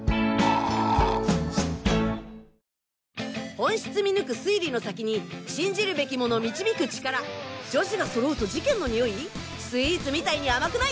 本質見抜く推理の先に信じるべきもの導く力女子が揃うと事件の匂いスイーツみたいに甘くない！